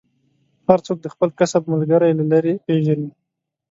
هر څوک د خپل کسب ملګری له لرې پېژني.